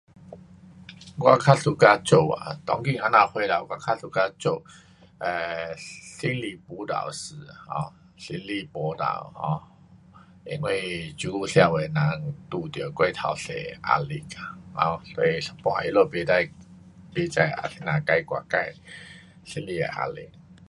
我较 suka 做啊，当今那样岁数我较 suka 做，呃，心理辅导师，啊，心理辅导 um 因为这久社会人遇到过头多压力啊，啊，所以一半个他们不知，不知啊怎样解决自心里的压力。